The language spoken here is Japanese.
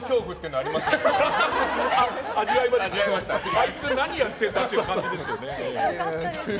あいつ何やってんだという感じですよね。